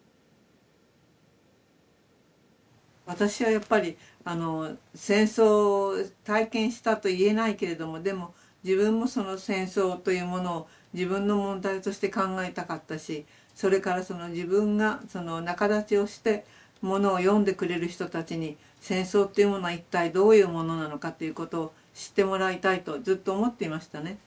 私はやっぱり戦争を体験したと言えないけれどもでも自分もその戦争というものを自分の問題として考えたかったしそれから自分が仲立ちをしてものを読んでくれる人たちに戦争っていうものは一体どういうものなのかということを知ってもらいたいとずっと思っていましたね。